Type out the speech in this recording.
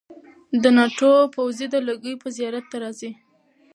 د ناټو پوځي دلګۍ به زیارت ته راځي.